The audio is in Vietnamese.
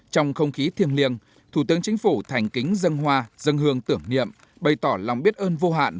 trong không khí thiềm liêng thủ tướng chính phủ thành kính dâng hoa dâng hương tưởng niệm bày tỏ lòng biết ơn vô hạn